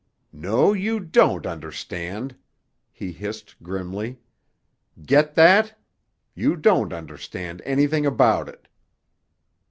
"No, you don't understand," he hissed grimly. "Get that? You don't understand anything about it."